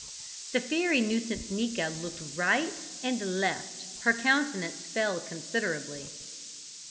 The fairy Nuisancenika looked right and left, and her countenance fell considerably.